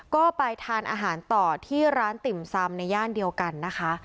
ก็ไปทานอาหารต่อที่ร้านติ่มซำในย่านเดียวกันนะคะ